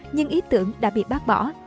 nhưng ý tưởng đã bị bác bỏ